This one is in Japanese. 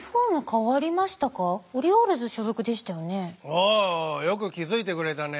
ああよく気付いてくれたね。